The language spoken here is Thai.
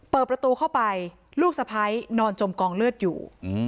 เปิดประตูเข้าไปลูกสะพ้ายนอนจมกองเลือดอยู่